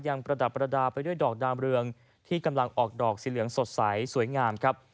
ประดับประดาษไปด้วยดอกดามเรืองที่กำลังออกดอกสีเหลืองสดใสสวยงามครับ